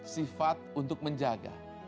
sifat untuk menjaga